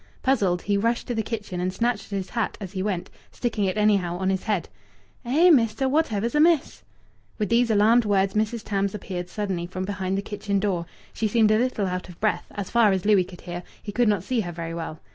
Puzzled, he rushed to the kitchen, and snatched at his hat as he went, sticking it anyhow on his head. "Eh, mester, what ever's amiss?" With these alarmed words Mrs. Tams appeared suddenly from behind the kitchen door; she seemed a little out of breath, as far as Louis could hear; he could not see her very well.